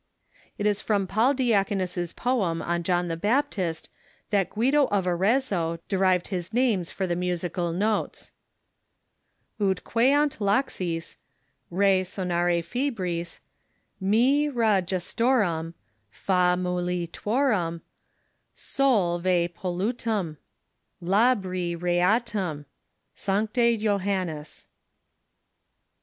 It is from Paul Diaconus's poem on John the Baptist that Guido of Arezzo derived his names for the musical notes : NEW MISSIONS 139 "Ut queant laxis REsonare fibris ]Mi ra gestorum FA muli tuorum SoL ve pollutum LA bii reatum Sancte Joannes."